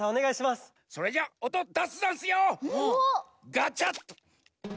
ガチャッ！